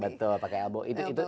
betul pakai elbow